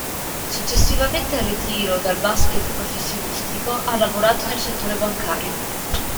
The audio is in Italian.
Successivamente al ritiro dal basket professionistico, ha lavorato nel settore bancario.